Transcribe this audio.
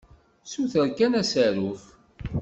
Ssuter kan asaruf.